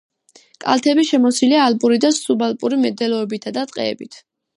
კალთები შემოსილია ალპური და სუბალპური მდელოებითა და ტყეებით.